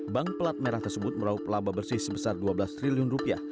bank pelat merah tersebut meraup laba bersih sebesar dua belas triliun rupiah